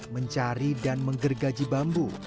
mencari dan menggergaji bambu